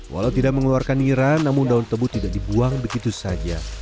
walau tidak mengeluarkan niran namun daun tebu tidak dibuang begitu saja